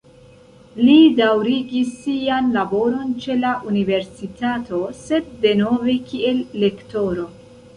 Li daŭrigis sian laboron ĉe la universitato, sed denove kiel lektoro.